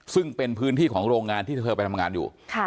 ซึ่งเป็นพื้นที่ของโรงงานที่เธอไปทำงานอยู่